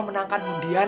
menang ya bagus lah